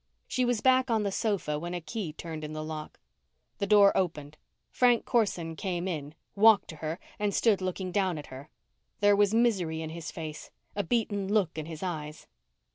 She was back on the sofa when a key turned in the lock. The door opened. Frank Corson came in, walked to her and stood looking down at her. There was misery in his face, a beaten look in his eyes.